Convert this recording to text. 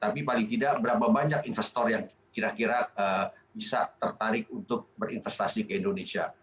tapi paling tidak berapa banyak investor yang kira kira bisa tertarik untuk berinvestasi ke indonesia